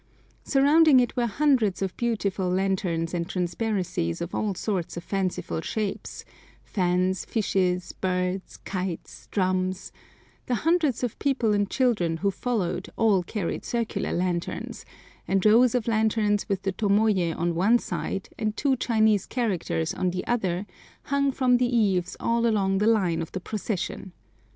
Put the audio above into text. Surrounding it were hundreds of beautiful lanterns and transparencies of all sorts of fanciful shapes—fans, fishes, birds, kites, drums; the hundreds of people and children who followed all carried circular lanterns, and rows of lanterns with the tomoyé on one side and two Chinese characters on the other hung from the eaves all along the line of the procession.